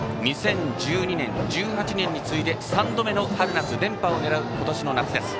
２０１２年、１８年に次いで３度目の春夏連覇を狙う今年の夏です。